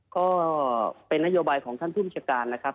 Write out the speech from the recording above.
ก็เป็นนโยบายของท่านภูมิชาการนะครับ